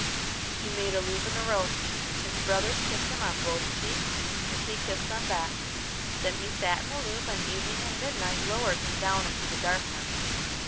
He made a loop in the rope. His brothers kissed him on both cheeks, and he kissed them back. Then he sat in the loop, and Evening and Midnight lowered him down into the darkness.